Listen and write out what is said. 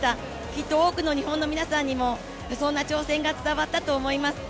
きっと多くの日本の皆さんにもそんな挑戦が伝わったと思います。